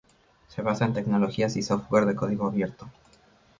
Se basa en tecnologías y software de código abierto.